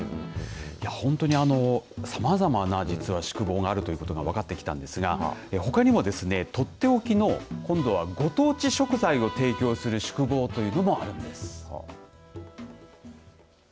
本当にさまざまな実は、宿坊があるということが分かってきたんですがほかにもですね、とっておきの今度はご当地食材を提供する宿坊というのもあるんです。